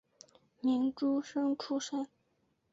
明诸生出身。